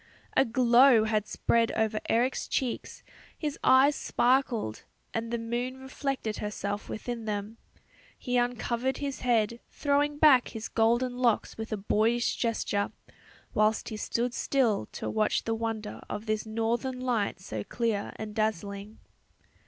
A glow had spread over Eric's cheeks, his eyes sparkled, and the moon reflected herself within them. He uncovered his head, throwing back his golden locks with a boyish gesture, whilst he stood still to watch the wonder of this northern night so clear and dazzling.